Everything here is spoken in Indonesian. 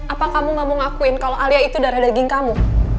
apa kamu gak mau ngakuin kalau alia itu darah daging kamu